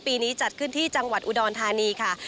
ปีนี้จัดขึ้นที่จังหวัดอุดรธานีค่ะ